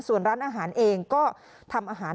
ส่วนร้านอาหารเองก็ทำอาหาร